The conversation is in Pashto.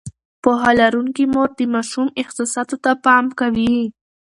پوهه لرونکې مور د ماشوم احساساتو ته پام کوي.